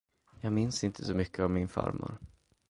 Jag minns inte så mycket av min farmor.